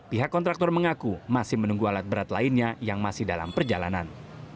pihak kontraktor mengaku masih menunggu alat berat lainnya yang masih dalam perjalanan